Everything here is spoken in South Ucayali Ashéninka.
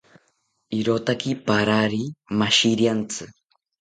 Irotaki parari mashiriantzi